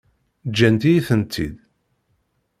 Ǧǧant-iyi-tent-id.